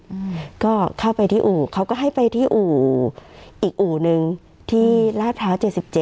เขาก็เข้าไปที่อู่เขาก็ให้ไปที่อู่อีกอู่นึงที่ราชเท้า๗๗